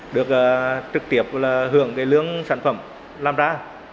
được trực tiếp hưởng lương sản phẩm làm ra